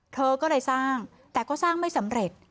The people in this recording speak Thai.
เธอก็เลยสร้างแต่ก็สร้างไม่สำเร็จ